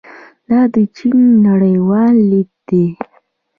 دا د چین نړیوال لید دی.